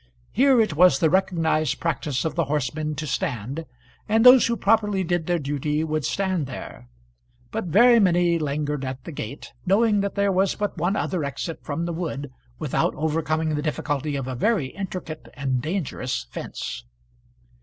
Here it was the recognised practice of the horsemen to stand, and those who properly did their duty would stand there; but very many lingered at the gate, knowing that there was but one other exit from the wood, without overcoming the difficulty of a very intricate and dangerous fence.